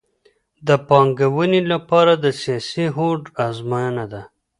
د پانګونې لپاره د سیاسي هوډ ازموینه ده